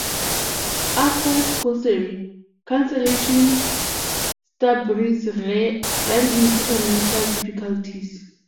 After "Sorcery" cancellation, Starbreeze ran into financial difficulties.